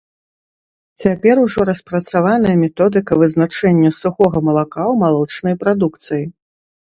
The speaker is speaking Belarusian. Цяпер ужо распрацаваная методыка вызначэння сухога малака ў малочнай прадукцыі.